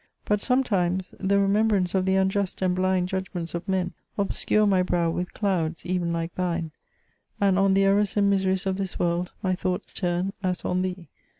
But sometimes the remembrance of the unjust and blind judgments of men obscure my brow with clouds, even like thine ; and on the errors and miseries of this world my thoughts turn, as on thee.